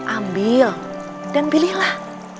ambil dan pilihlah